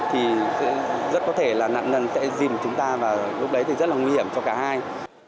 thì rất có thể là nạn nhân sẽ dìm chúng ta và lúc đấy thì rất là nguy hiểm cho cả hai